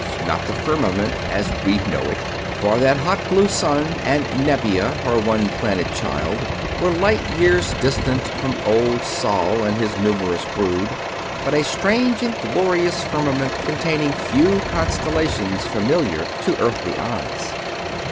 Not the firmament as we know it for that hot blue sun and Nevia, her one planet child, were light years distant from Old Sol and his numerous brood but a strange and glorious firmament containing few constellations familiar to Earthly eyes.